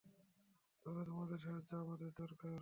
তবে, তোমাদের সাহায্য আমার দরকার।